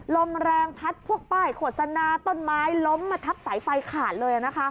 ลมแรงพัดพวกป้ายโฆษณาต้นไม้ล้มมาทับสายไฟขาดเลย